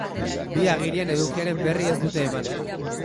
Bi agirien edukiaren berri ez dute eman.